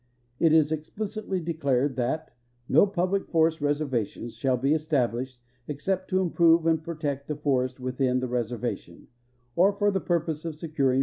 It is explicitly de clared that " no puhlic forest reservations shall he estahlished except to improve and protect the forest within the reservation, or for the purpose of securing f!